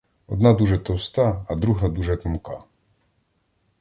Одна дуже товста, а друга дуже тонка.